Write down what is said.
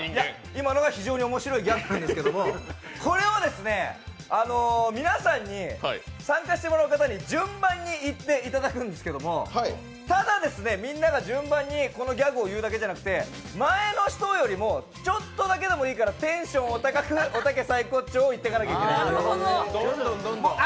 今のが非常に面白いギャグなんですけどもこれを皆さんに、参加してもらう方に順番に言っていただくんですけどただですね、みんなが順番にこのギャグを言うだけじゃなくて前の人よりもちょっとだけでもいいからテンション高くおたけサイコッチョーを言っていかないといけない。